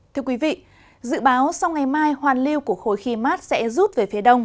thưa quý vị dự báo sau ngày mai hoàn lưu của khối khí mát sẽ rút về phía đông